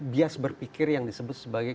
bias berpikir yang disebut sebagai